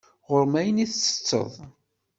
Ɣur-m ayen i ttetteḍ.